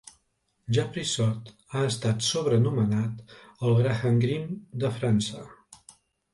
Japrisot ha estat sobrenomenat "el Graham Greene de França".